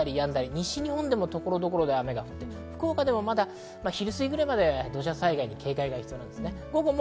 西日本でも所々で雨が降って福岡でも昼すぎまでは土砂災害に警戒が必要です。